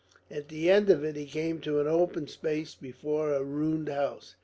At the end of it he came to an open space before a ruined house.